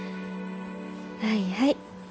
はいはい。